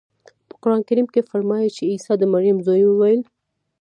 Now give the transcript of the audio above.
په قرانکریم کې فرمایي چې عیسی د مریم زوی وویل.